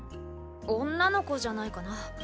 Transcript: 女の子じゃないかな？